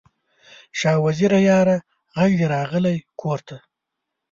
شاه وزیره یاره، ږغ دې راغلی کور ته